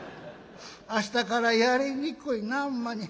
明日からやりにくいなほんまに。